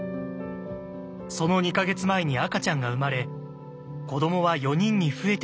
その２か月前に赤ちゃんが生まれ子どもは４人に増えていました。